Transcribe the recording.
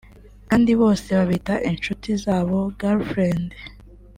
kandi bose babita inshuti zabo(girlfriend)